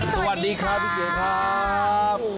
สวัสดีค่ะพี่เจ๊ครับ